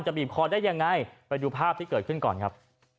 บีบคอได้ยังไงไปดูภาพที่เกิดขึ้นก่อนครับ